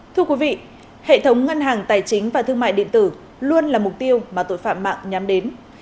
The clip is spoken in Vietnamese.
thưa quý vị hệ thống ngân hàng tài chính và thương mại điện tử luôn là mục tiêu mà tội phạm mạng nhắm đến